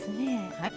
はい。